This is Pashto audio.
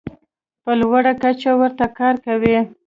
په لوړه کچه ورته کار کوي.